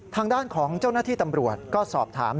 ทางด้านของเจ้าหน้าที่ตำรวจก็สอบถาม